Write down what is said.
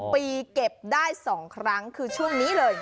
ปีเก็บได้๒ครั้งคือช่วงนี้เลย